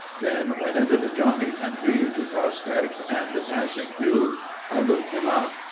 Ben went into the Johnnie country to prospect and passing through I looked him up.